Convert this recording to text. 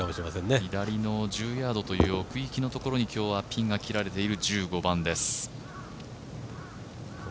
左の１０ヤードという奥行きのところに今日はピンが切られている１５番です。